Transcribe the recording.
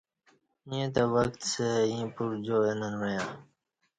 ییں تہ وکڅہ ییں پرجا اے ننوعݩہ